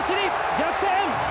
逆転！